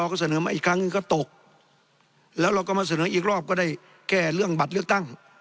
ก็เสนอมาอีกครั้งหนึ่งก็ตกแล้วเราก็มาเสนออีกรอบก็ได้แก้เรื่องบัตรเลือกตั้ง